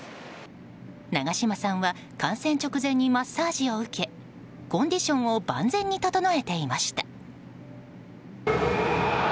長嶋さんは観戦直前にマッサージを受けコンディションを万全に整えていました。